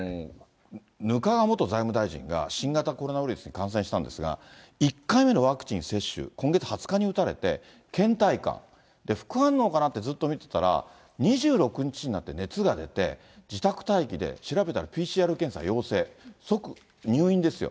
額賀元財務大臣が、新型コロナウイルスに感染したんですが、１回目のワクチン接種、今月２０日に打たれて、けん怠感、副反応かなってずっと見てたら、２６日になって熱が出て、自宅待機で、調べたら、ＰＣＲ検査、陽性、即入院ですよ。